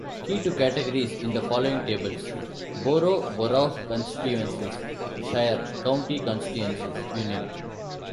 "Key to categories in the following tables:" Boro': Borough constituencies, Shire: County constituencies, Univ.